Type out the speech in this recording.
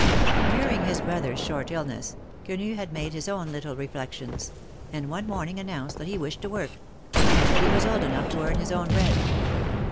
During his brother's short illness, Quenu had made his own little reflections, and one morning announced that he wished to work — that he was old enough to earn his own bread.